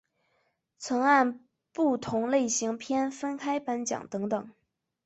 曾按不同类型片分开颁奖等等。